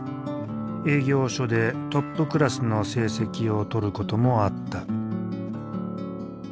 営業所でトップクラスの成績をとることもあった。